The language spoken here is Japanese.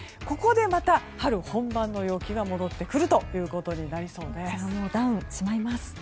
ここでまた、春本番の陽気が戻ってくることになりそうです。